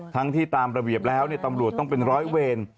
ทั้งที่ตามระเบียบแล้วตำรวจต้องเป็นร้อยเวร